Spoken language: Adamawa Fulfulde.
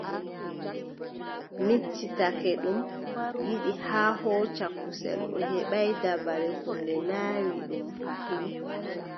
Miccitake ɗum yiɗi haa hooca kusel O heɓaay dabare, huunde naawi ɗum fayin.